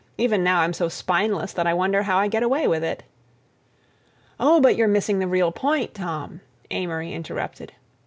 Even now I'm so spineless that I wonder how I get away with it." "Oh, but you're missing the real point, Tom," Amory interrupted.